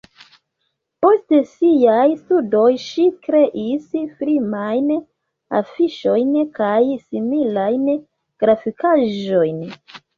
Post siaj studoj ŝi kreis filmajn afiŝojn kaj similajn grafikaĵojn.